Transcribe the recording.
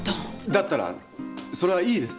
だったらそれはいいです。